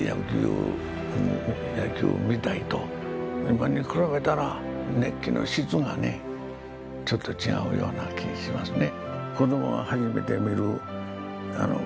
今に比べたら熱気の質がねちょっと違うような気がしますね。